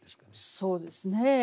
そうですね